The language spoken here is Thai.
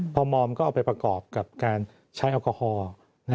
พอมอมก็เอาไปประกอบกับการใช้แอลกอฮอล์